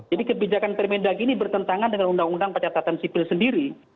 jadi kebijakan termendag ini bertentangan dengan undang undang pencatatan sipil sendiri